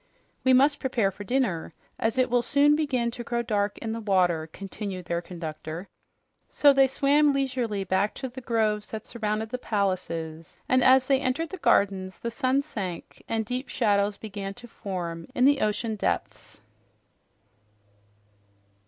"We must prepare for dinner, as it will soon begin to grow dark in the water," continued their conductor. So they swam leisurely back to the groves that surrounded the palaces, and as they entered the gardens the sun sank, and deep shadows began to form in the ocean depths.